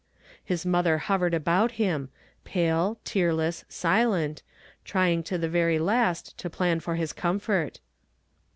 His mother hovered about him, pale, tearless, silent, trying to the veiy last to plan for his comfort.